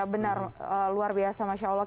benar luar biasa masya allah